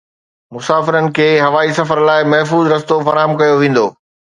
مسافرن کي هوائي سفر لاءِ محفوظ رستو فراهم ڪيو ويندو